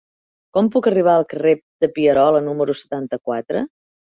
Com puc arribar al carrer de Pierola número setanta-quatre?